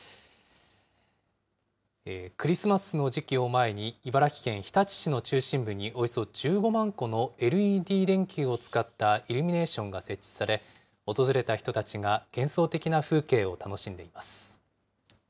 クリスマスの時期を前に、茨城県日立市の中心部に、およそ１５万個のＬＥＤ電球を使ったイルミネーションが設置され、訪れた人たちが幻想的な風景を楽しんでいます。